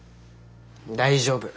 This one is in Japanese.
大丈夫。